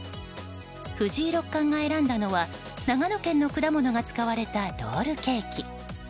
藤井六冠が選んだのは長野県の果物が使われたロールケーキ。